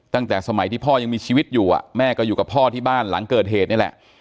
ตั้งแต่สมัยที่พ่อยังมีชีวิตอยู่แม่ก็อยู่กับพ่อที่บ้านหลังเกิดเหตุนี่แหละ